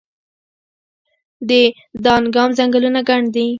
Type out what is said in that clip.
د دانګام ځنګلونه ګڼ دي